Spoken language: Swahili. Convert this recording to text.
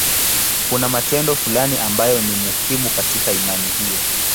Kuna matendo fulani ambayo ni muhimu katika imani hiyo.